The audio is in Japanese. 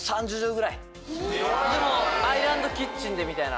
アイランドキッチンでみたいな。